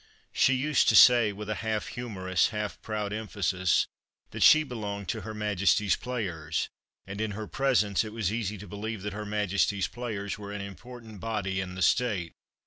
She used to say, with a half humorous, half proud emphasis, that she belonged to her majesty's players, and in her presence it was easy to believe that her majesty's players were an important body in the state.